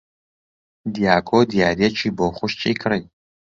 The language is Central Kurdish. دیاکۆ دیارییەکی بۆ خوشکی کڕی.